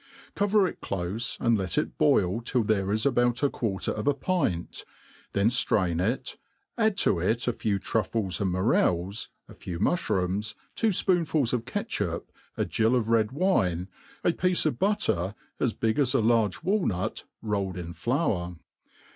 Cover it clofe, and let it boil till there is about a quar* ter of a pint ; then (train it, add to it a few truffles and morels, a few muihrooms, two fpoonfuls of catchup, a gill of red wine» a piece of butter as big as a large walnut rolled in flcmr.